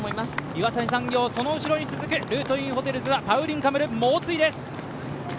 岩谷産業、その後ろに続くルートインホテルズ、パウリン・カムルは猛追です。